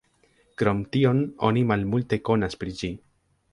Krom tion, oni malmulte konas pri ĝi.